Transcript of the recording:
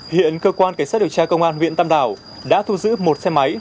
hiện cơ quan cảnh sát điều tra công an viện tâm đảo đã thu giữ một xe máy